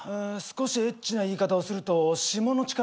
少しエッチな言い方をすると下の力だ。